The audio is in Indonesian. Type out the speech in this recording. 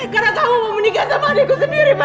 karena kamu mau menikah sama adikku sendiri